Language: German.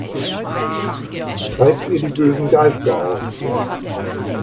Treibt ihr die bösen Geister aus!